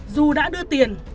dù đã đưa tiền